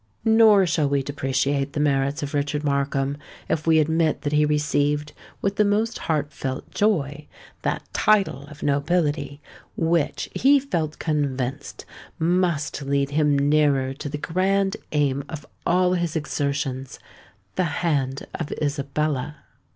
Nor shall we depreciate the merits of Richard Markham, if we admit that he received, with the most heart felt joy, that title of nobility which, he felt convinced, must lead him nearer to the grand aim of all his exertions—the hand of Isabella!